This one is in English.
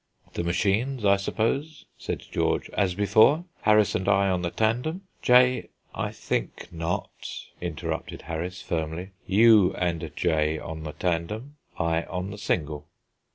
"The machines, I suppose," said George, "as before. Harris and I on the tandem, J. " "I think not," interrupted Harris, firmly. "You and J. on the tandem, I on the single."